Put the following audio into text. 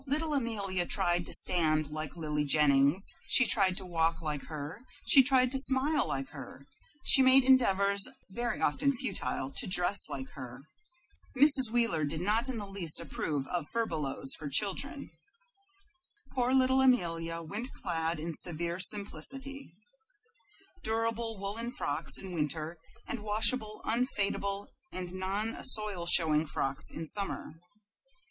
Little Amelia tried to stand like Lily Jennings; she tried to walk like her; she tried to smile like her; she made endeavors, very often futile, to dress like her. Mrs. Wheeler did not in the least approve of furbelows for children. Poor little Amelia went clad in severe simplicity; durable woolen frocks in winter, and washable, unfadable, and non soil showing frocks in summer.